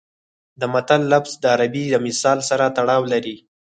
د متل لفظ د عربي د مثل سره تړاو لري